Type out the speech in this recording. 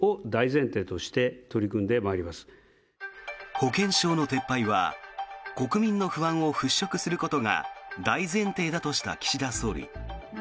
保険証の撤廃は国民の不安を払しょくすることが大前提だとした岸田総理。